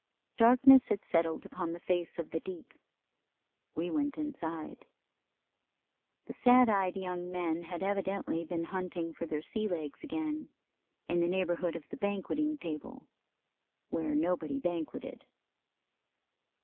Darkness had settled upon the face of the deep. We went inside. The sad eyed young men had evidently been hunting for their sea legs again, in the neighborhood of the banqueting table, where nobody banqueted.